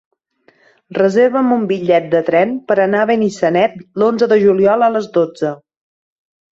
Reserva'm un bitllet de tren per anar a Benissanet l'onze de juliol a les dotze.